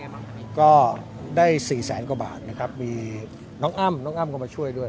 ก็ได้สี่แสนกว่าบาทนะครับมีน้องอ้ำน้องอ้ำก็มาช่วยด้วย